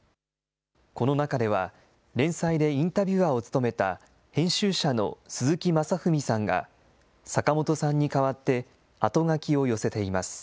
この中では、連載でインタビュアーを務めた編集者の鈴木正文さんが、坂本さんに代わってあとがきを寄せています。